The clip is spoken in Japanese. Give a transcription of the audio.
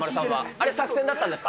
あれ、作戦だったんですか？